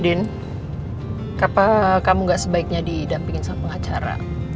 din kapan kamu gak sebaiknya didampingin sama pengacara